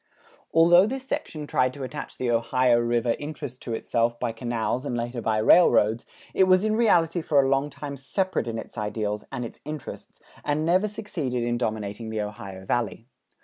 Although this section tried to attach the Ohio River interests to itself by canals and later by railroads, it was in reality for a long time separate in its ideals and its interests and never succeeded in dominating the Ohio Valley.